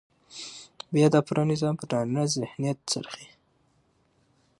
بيا دا پوره نظام پر نارينه ذهنيت څرخي.